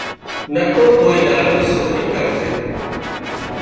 نڪو ڪوئي ۮاڙو سوري ڪرزي